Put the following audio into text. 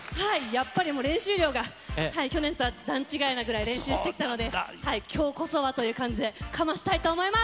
やっぱりもう練習量が、去年とは段違いなぐらい練習してきたので、きょうこそはという感じで、かましたいと思います。